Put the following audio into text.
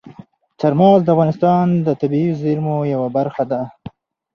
چار مغز د افغانستان د طبیعي زیرمو یوه برخه ده.